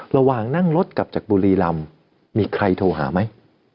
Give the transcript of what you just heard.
ระหว่างนั่งรถกลับจากบุรีรำมีใครโทรหาไหม